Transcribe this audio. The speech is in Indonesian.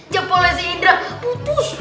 jepolensi indra putus